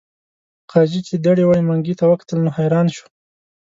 قاضي چې دړې وړې منګي ته وکتل نو حیران شو.